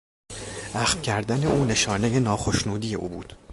اخم کردن او نشانهی ناخشنودی او بود.